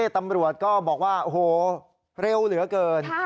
ตำรวจก็บอกว่าโอ้โหเร็วเหลือเกิน